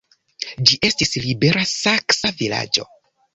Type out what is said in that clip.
Ĝi estis libera saksa vilaĝo.